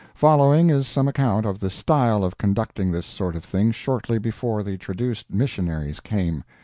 Following is some account of the style of conducting this sort of thing shortly before the traduced missionaries came.